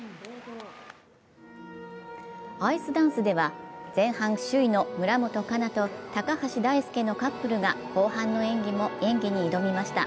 アイスダンスでは前半首位の村元哉中と高橋大輔のカップルが後半の演技に挑みました。